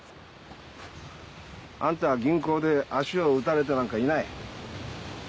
あんたは銀行で足を撃たれてなんかいない。